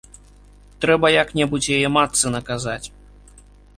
Трэба як-небудзь яе матцы наказаць.